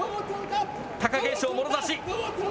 貴景勝、もろ差し。